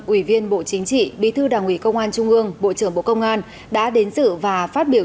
ủy viên bộ chính trị bí thư đảng ủy công an trung ương bộ trưởng bộ công an đã đến sự và phát biểu